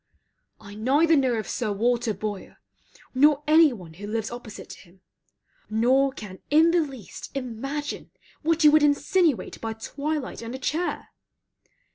I neither know Sir Walter Boyer, nor any one who lives opposite to him, nor can in the least imagine what you would insinuate by twilight and a chair.